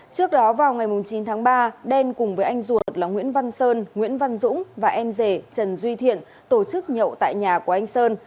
trước đó vào ngày chín tháng ba đen cùng với anh ruột là nguyễn văn sơn nguyễn văn dũng và em rể trần duy thiện tổ chức nhậu tại nhà của anh sơn